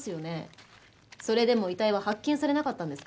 それでも遺体は発見されなかったんですか？